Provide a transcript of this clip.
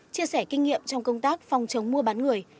chia sẻ kinh nghiệm trong công tác phòng chống mua bán người